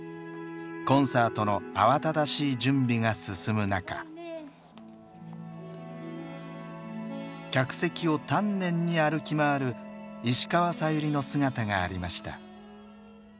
コンサートの慌ただしい準備が進む中客席を丹念に歩き回る石川さゆりの姿がありました。